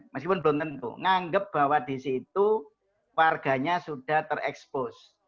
masih pun belum tentu nganggap bahwa di situ warganya sudah terekspos